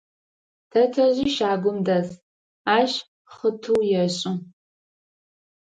Тэтэжъи щагум дэс, ащ хъытыу ешӏы.